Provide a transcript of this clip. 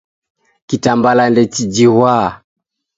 Kitambala ndechijighwa.